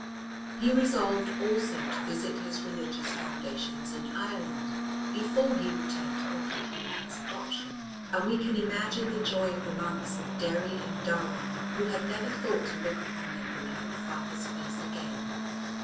He resolved also to visit his religious foundations in Ireland before he returned to the country of his adoption, and we can imagine the joy of the monks of Derry and Durrow who had never thought to look upon their beloved father's face again.